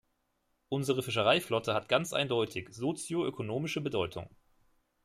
Unsere Fischereiflotte hat ganz eindeutig sozio-ökonomische Bedeutung.